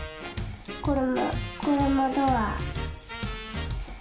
これもこれもドア。